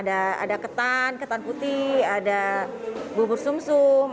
ada ketan ketan putih ada bubur sum sum